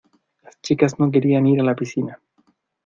Las chicas no querían ir a la piscina.